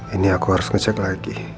ini aku harus ngecek lagi